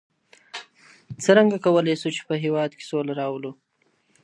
څرنګه کولای سو چي په هېواد کي سوله راولو؟